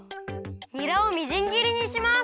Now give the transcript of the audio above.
にらをみじんぎりにします。